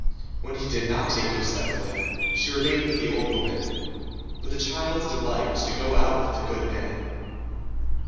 When he did not take Cosette with him, she remained with the old woman; but the child's delight was to go out with the good man.